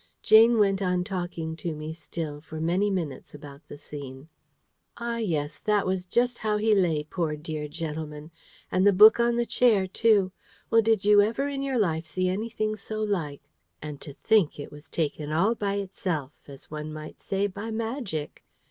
Jane went on talking to me still for many minutes about the scene: "Ah, yes; that was just how he lay, poor dear gentleman! And the book on the chair, too! Well, did you ever in your life see anything so like! And to think it was taken all by itself, as one might say, by magic.